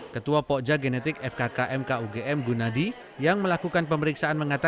ketua pokja genetik fkkm kugm gunadi yang melakukan pemeriksaan mengatakan